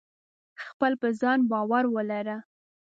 خپل په ځان باور ولره.